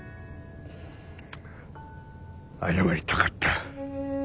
謝りたかった。